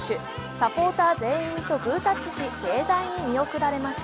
サポーター全員とグータッチし盛大に見送られました。